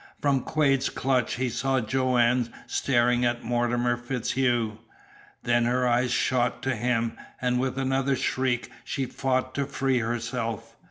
From Quade's clutch he saw Joanne staring at Mortimer FitzHugh; then her eyes shot to him, and with another shriek she fought to free herself.